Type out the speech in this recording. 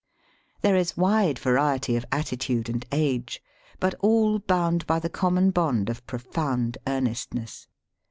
There is wide variety of attitude and age, but all bound by the common bond of profound earnestness.